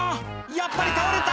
やっぱり倒れた！